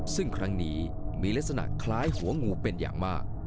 ซึ่งครั้งนี้มีลักษณะคล้ายหัวงูเป็นอย่างมาก